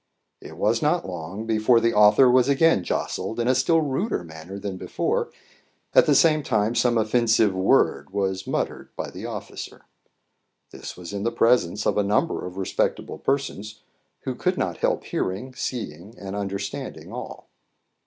It was not long before the author was again jostled in a still ruder manner than before at the same time some offensive word was muttered by the officer. This was in the presence of a number of respectable persons, who could not help hearing, seeing, and understanding all.